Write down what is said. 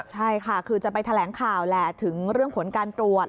ใช่ค่ะคือจะไปแถลงข่าวแหละถึงเรื่องผลการตรวจ